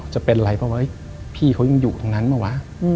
จะเป็นอะไรพี่เขายุ่งอยู่ตรงนั้นปะวะ